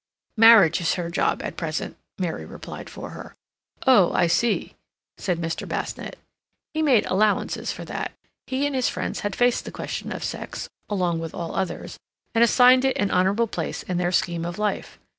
"Marriage is her job at present," Mary replied for her. "Oh, I see," said Mr. Basnett. He made allowances for that; he and his friends had faced the question of sex, along with all others, and assigned it an honorable place in their scheme of life.